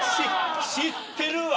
知ってるわ！